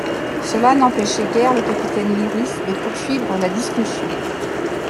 Cela n'empêchait guère le capitaine Lyrisse de poursuivre la discussion.